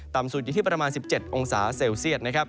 สุดอยู่ที่ประมาณ๑๗องศาเซลเซียตนะครับ